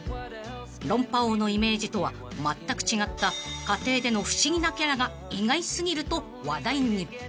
［論破王のイメージとはまったく違った家庭での不思議なキャラが意外過ぎると話題に］